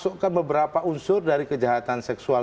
masukkan beberapa unsur dari kejahatan seksual